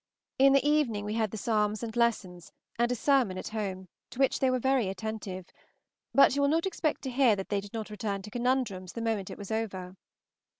In the evening we had the Psalms and Lessons, and a sermon at home, to which they were very attentive; but you will not expect to hear that they did not return to conundrums the moment it was over.